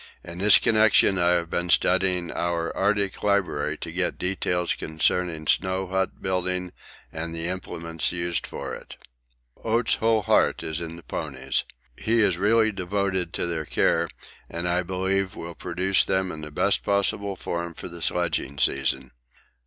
In this connection I have been studying our Arctic library to get details concerning snow hut building and the implements used for it. Oates' whole heart is in the ponies. He is really devoted to their care, and I believe will produce them in the best possible form for the sledging season.